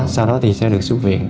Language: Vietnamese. sau đó thì sẽ được xuất viện